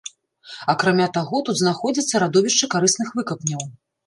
Акрамя таго, тут знаходзяцца радовішчы карысных выкапняў.